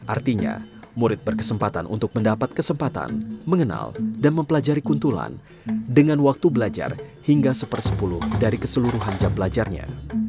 artinya murid berkesempatan untuk mendapat kesempatan mengenal dan mempelajari kuntulan dengan waktu belajar hingga sepersepuluh dari keseluruhan jam belajarnya